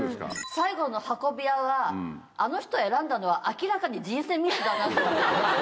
最後の運び屋はあの人選んだのは明らかに。